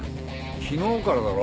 昨日からだろ？